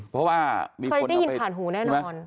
เคยได้ยินผ่านหูแน่นอน